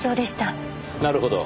なるほど。